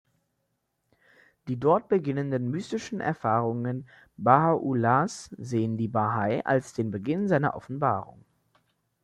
Die dort beginnenden mystischen Erfahrungen Baha’u’llahs sehen die Bahai als den Beginn seiner Offenbarung.